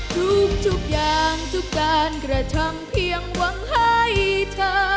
ทุกอย่างทุกการกระทำเพียงหวังให้เธอ